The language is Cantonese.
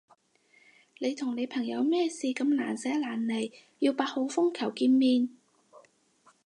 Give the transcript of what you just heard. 你同你朋友咩事咁難捨難離要八號風球見面？